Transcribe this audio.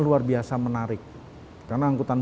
luar biasa menarik karena angkutan